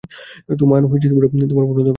তোমার বোন অন্তঃসত্ত্বা।